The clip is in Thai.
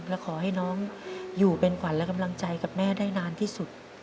และขอให้น้องอยู่เป็นขวัญและกำลังใจกับแม่ได้นานที่สุด